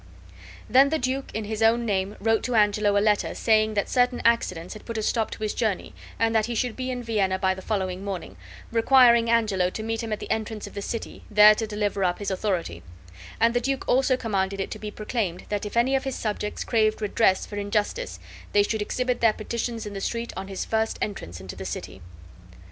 Then the duke in his own name wrote to Angelo a letter saying that certain accidents had put a stop to his journey and that he should be in Vienna by the following morning, requiring Angelo to meet him at the entrance of the city, there to deliver up his authority; and the duke also commanded it to be proclaimed that if any of his subjects craved redress for injustice they should exhibit their petitions in the street on his first entrance into the city.